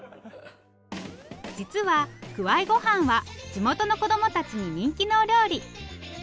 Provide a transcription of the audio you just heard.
実はくわいごはんは地元の子供たちに人気のお料理。